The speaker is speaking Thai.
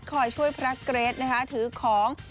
คอยช่วยพระเกรทนะคะถือของ